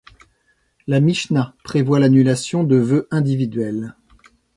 La Mishna prévoit l’annulation de vœux individuels.